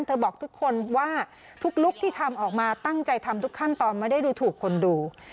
บอกทุกคนว่าทุกลุคที่ทำออกมาตั้งใจทำทุกขั้นตอนไม่ได้ดูถูกคนดู